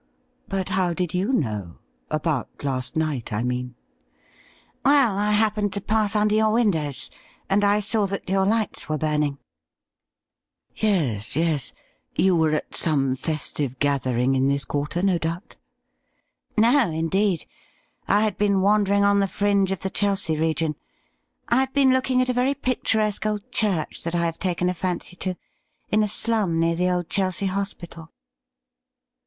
But how did you know — about last night, I mean ?'' Well, I happened to pass under your windows, and I saw that your lights were burning,' 182 THE RIDDLE RING ' Yes, yes ; you were at some festive gathering in this quarter, no doubt ?'' No, indeed ; I had been wandering on the fringe of the Chelsea region. I had been looking at a very picturesque old church that I have taken a fancy to in a slum near the old Chelsea Hospital.'